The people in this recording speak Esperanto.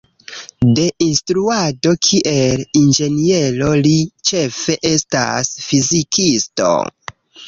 De instruado kiel inĝeniero, li ĉefe estas fizikisto.